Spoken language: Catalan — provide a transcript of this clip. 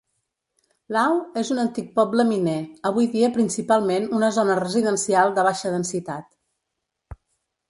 Law és un antic poble miner, avui dia principalment una zona residencial de baixa densitat.